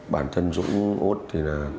bản thân dũng út thì là